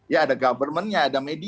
ya ada governmentnya ada media